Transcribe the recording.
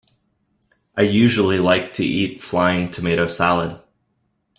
I usually like to eat flying tomato salad.